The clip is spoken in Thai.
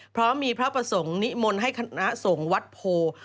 เพราะมีพระประสงค์นิมนต์ให้คณะสงฆ์วัดโพ